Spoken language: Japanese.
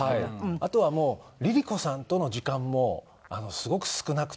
あとはもうＬｉＬｉＣｏさんとの時間もすごく少なくて。